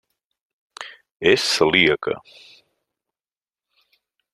És celíaca.